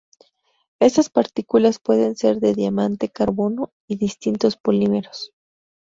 Estas partículas pueden ser de diamante, carbono y distintos polímeros.